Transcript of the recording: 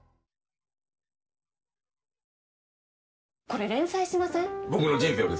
これ連載しません？